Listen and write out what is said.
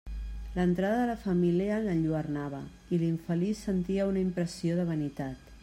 L'entrada de la família l'enlluernava, i l'infeliç sentia una impressió de vanitat.